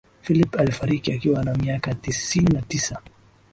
philip alifariki akiwa na miaka tisini na tisa